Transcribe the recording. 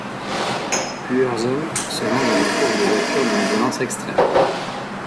Plusieurs hommes se lancent dans une course de voiture d'une violence extrême.